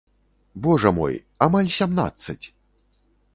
Божа мой, амаль сямнаццаць!